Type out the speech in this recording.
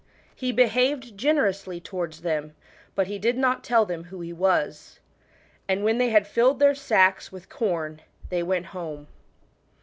He behaved generously towards them, but he did not tell them who he was. And when they had filled their sacks with corn they went home.